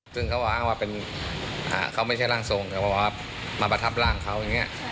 ซึ่งเขาอ้างว่าเป็นเขาไม่ใช่ร่างทรงแต่พอมาประทับร่างเขาอย่างนี้